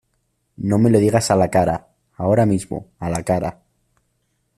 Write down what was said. no me lo digas a la cara. ahora mismo, a la cara .